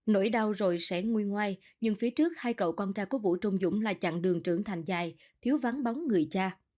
nỗi đau rồi sẽ nguyên ngoai nhưng phía trước hai cậu con trai của vũ trung dũng là chặng đường trưởng thành dài thiếu vắng bóng người cha